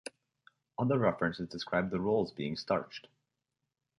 Other references describe the rolls being starched.